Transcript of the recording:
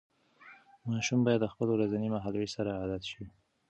ماشوم باید د خپل ورځني مهالوېش سره عادت شي.